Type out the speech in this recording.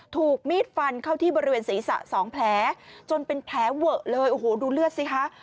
ถูกมีดฟันเข้าที่บริเวณศีรษะสองแผลจนเป็นแผลเวอะเลยโอ้โหดูเลือดสิคะ